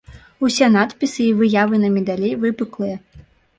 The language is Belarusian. Усе надпісы і выявы на медалі выпуклыя.